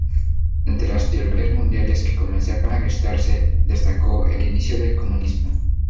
Entre las ideologías mundiales que comenzaron a gestarse, destacó el inicio del comunismo.